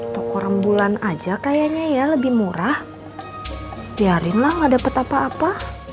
toko rembulan aja kayaknya ya lebih murah biarin lah nggak dapat apa apa